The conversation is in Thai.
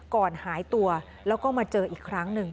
ก่อนหายตัวแล้วก็มาเจออีกครั้งหนึ่ง